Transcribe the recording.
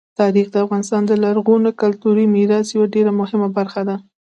تاریخ د افغانستان د لرغوني کلتوري میراث یوه ډېره مهمه برخه ده.